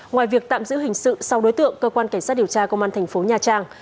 ngoài việc tạm giữ hình sự sau đối tượng cơ quan cảnh sát điều tra công an thành phố nha trang